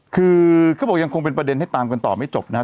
คือเขาบอกยังคงเป็นประเด็นให้ตามกันต่อไม่จบนะครับ